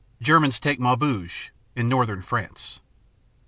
7 Germans take Maubeuge, in northern France.